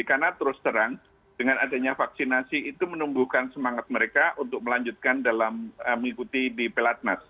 karena terus terang dengan adanya vaksinasi itu menumbuhkan semangat mereka untuk melanjutkan dalam mengikuti di pelatnas